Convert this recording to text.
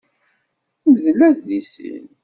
Mdel adlis-im.